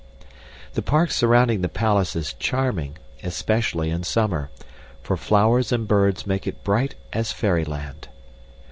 The park surrounding the palace is charming, especially in summer, for flowers and birds make it bright as fairyland.